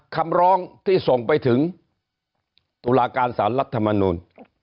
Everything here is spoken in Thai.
คำร้องที่ส่งไปถึงตุลาการสารรัฐมนูล